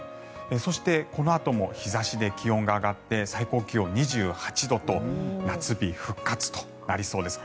そして、このあとも日差しで気温が上がって最高気温、２８度と夏日復活となりそうです。